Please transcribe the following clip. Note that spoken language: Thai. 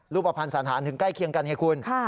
รูปผันศาลฐานถึงใกล้เคียงกันไงคุณ